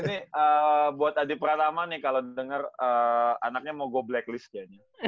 ini buat adi pradama nih kalo denger anaknya mau go blacklist ya